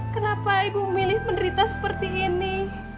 kenapa ibu memilih menderita seperti ini